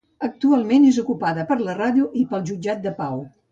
Actualment és ocupada per la ràdio i pel Jutjat de Pau.